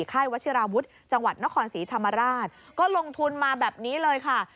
ค่ายวัชิราวุฒิจังหวัดนครศรีธรรมราชก็ลงทุนมาแบบนี้เลยค่ะ